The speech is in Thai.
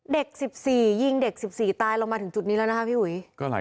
เด็ก๑๔ยิงเด็ก๑๔ตายลงมาถึงจุดนี้แล้วนะคะพี่หุย